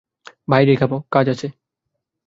বাইরেই খাব, কাজ আছে।